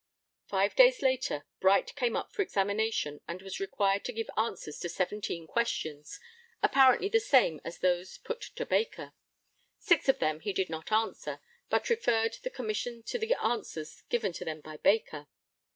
Five days later, Bright came up for examination and was required to give answers to seventeen questions, apparently the same as those put to Baker. Six of them he did not answer, but referred the Commissioners to the answers given to them by Baker.